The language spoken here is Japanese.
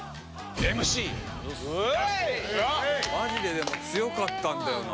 マジで強かったんだよな。